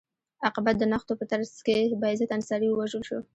عاقبت د نښتو په ترڅ کې بایزید انصاري ووژل شو.